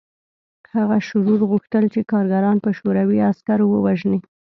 هغه شرور غوښتل چې کارګران په شوروي عسکرو ووژني